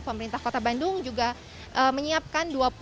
pemerintah kota bandung juga menyiapkan